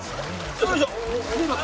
よいしょ。